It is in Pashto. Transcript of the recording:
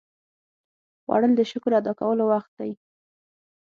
خوړل د شکر ادا کولو وخت دی